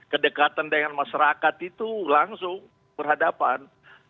kedekatan dengan masyarakat itu langsung berhadapan